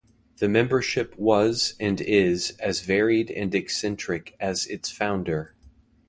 The membership was and is as varied and eccentric as its founder.